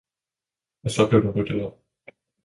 – Og så blev der ryddet op.